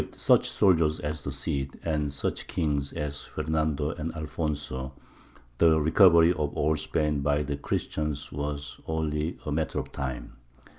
With such soldiers as the Cid, and such kings as Fernando and Alfonso, the recovery of all Spain by the Christians was only a matter of time.